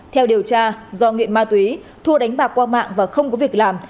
theo điều tra do nghiện ma túy thua đánh bạc qua mạng và không có việc làm